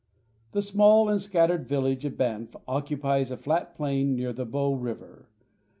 The small and scattered village of Banff occupies a flat plain near the Bow River.